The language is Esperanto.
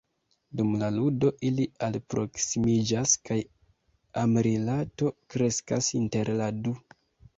Dum la ludo, ili alproksimiĝas kaj amrilato kreskas inter la du.